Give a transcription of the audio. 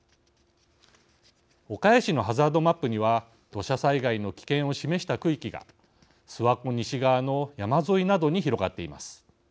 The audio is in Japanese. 岡谷市のハザードマップには土砂災害の危険を示した区域が諏訪湖西側の山沿いなどに広がっています。